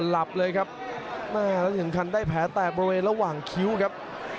แล้วถึงคันได้แผลแตกบริเวณระหว่างคิ้วครับ